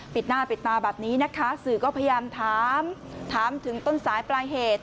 ปิดหน้าปิดตาแบบนี้นะคะสื่อก็พยายามถามถามถึงต้นสายปลายเหตุ